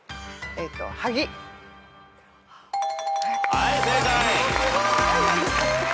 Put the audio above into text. はい正解。